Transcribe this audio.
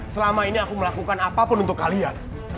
selama ini aku melakukan apapun untuk kalian